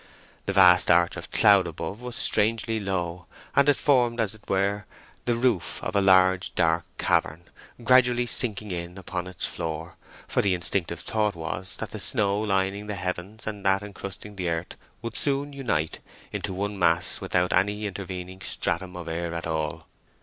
The vast arch of cloud above was strangely low, and formed as it were the roof of a large dark cavern, gradually sinking in upon its floor; for the instinctive thought was that the snow lining the heavens and that encrusting the earth would soon unite into one mass without any intervening stratum of air at all.